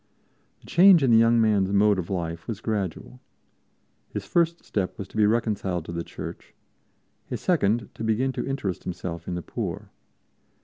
The change in the young man's mode of life was gradual. His first step was to be reconciled to the Church, his second to begin to interest himself in the poor.